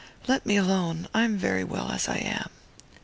Let me alone I am very well as I am."